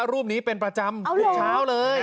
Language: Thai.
รูปนี้เป็นประจำทุกเช้าเลย